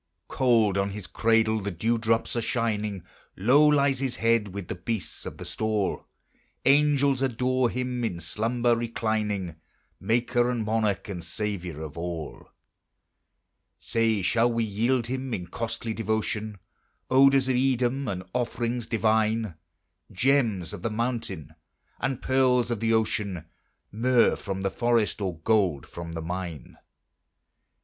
Cold on his cradle the dew drops are shining, Low lies his head with the beasts of the stall; Angels adore him in slumber reclining, Maker and Monarch and Saviour of all. Say, shall we yield him, in costly devotion, Odors of Edom, and offerings divine? Gems of the mountain, and pearls of the ocean, Myrrh from the forest, or gold from the mine?